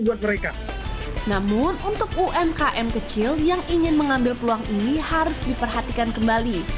buat mereka namun untuk umkm kecil yang ingin mengambil peluang ini harus diperhatikan kembali